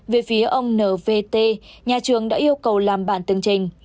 về phía ông n v t nhà trường đã yêu cầu làm bản tương trình